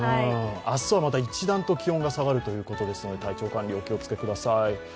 明日はまた一段と気温が下がるということですので体調管理、お気をつけください。